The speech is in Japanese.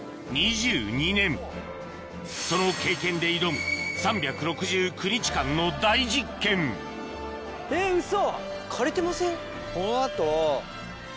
２２年その経験で挑む３６９日間の大実験えっウソ！